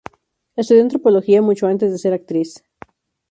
Estudió antropología mucho antes de ser actriz.